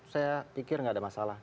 saya pikir nggak ada masalah